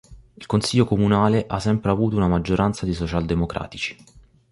Il consiglio comunale ha sempre avuto una maggioranza di socialdemocratici.